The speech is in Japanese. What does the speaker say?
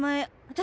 私